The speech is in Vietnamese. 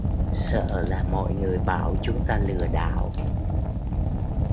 sợ là mọi người bảo chúng ta lừa đảo